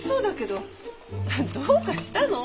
どうかしたの？